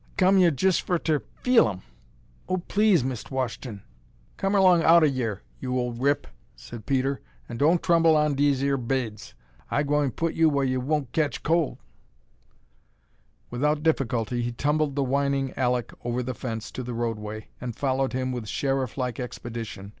I come yere jes fer ter feel 'em. Oh, please, Mist' Wash'ton " "Come erlong outa yere, you ol' rip," said Peter, "an' don' trumple on dese yer baids. I gwine put you wah you won' ketch col'." Without difficulty he tumbled the whining Alek over the fence to the roadway, and followed him with sheriff like expedition!